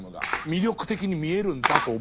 魅力的に見えるんだと思うんです。